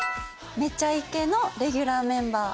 『めちゃイケ』のレギュラーメンバー。